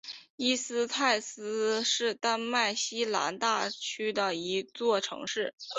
灵斯泰兹是丹麦西兰大区的一座城市。